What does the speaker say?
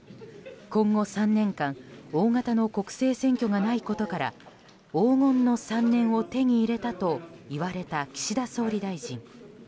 今後３年間大型の国政選挙がないことから黄金の３年を手に入れたといわれた岸田総理大臣。